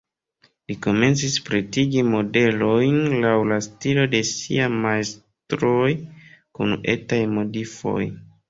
Li komencis pretigi modelojn laŭ la stilo de siaj majstroj, kun etaj modifoj.